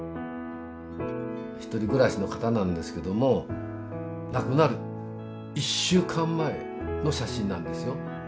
ひとり暮らしの方なんですけども亡くなる１週間前の写真なんですよ。